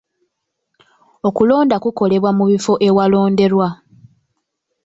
Okulonda kukolebwa mu bifo ewalonderwa.